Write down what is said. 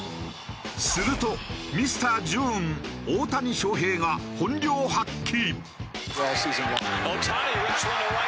するとミスター・ジューン大谷翔平が本領発揮。